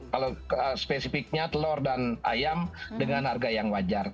kalau spesifiknya telur dan ayam dengan harga yang wajar